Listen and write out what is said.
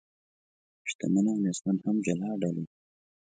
شتمن او نیستمن هم جلا ډلې دي.